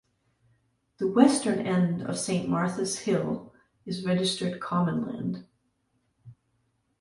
The western end of Saint Martha's Hill is registered common land.